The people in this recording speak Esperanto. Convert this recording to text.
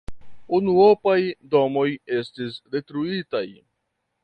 Unuopaj domoj estis detruitaj.